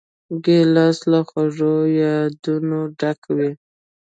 ګیلاس له خوږو یادونو ډک وي.